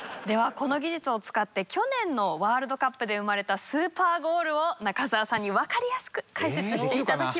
この技術を使って去年のワールドカップで生まれたスーパーゴールを中澤さんに分かりやすく解説していただきます。